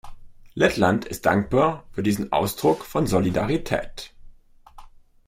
Lettland ist dankbar für diesen Ausdruck von Solidarität.